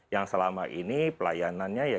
yang selama ini pelayanannya